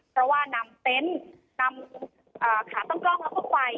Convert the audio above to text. เพราะว่านำเต็นต์นำขาตั้งกล้องแล้วก็ไฟ